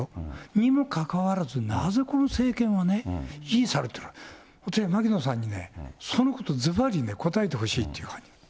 にもかかわらずなぜ、この政権はね、支持されてる、牧野さんにね、そのことずばりね、答えてほしいという感じ。